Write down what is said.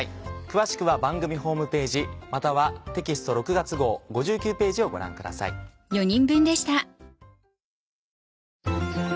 詳しくは番組ホームページまたはテキスト６月号５９ページをご覧ください。